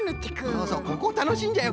そうそうここたのしいんじゃよ